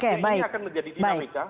ini akan menjadi dinamika